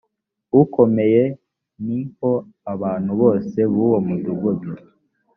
ukomeye ni ho abantu bose buwo mudugudu